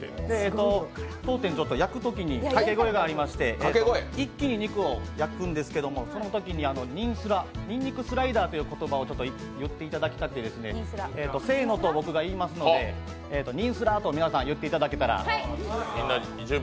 当店は焼くときにかけ声がありまして、一気に肉を焼くんですけど、そのときににんスラ、にんにくスライダーという言葉を言っていただきたくてせーのと僕が言いますので、にんスラと皆さん言っていただけたら。